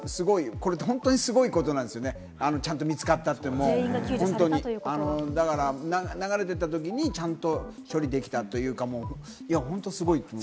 これってすごいことなんですよね、ちゃんと見つかったというのも流れてたときに、ちゃんと処理できたというか、本当にすごいと思う。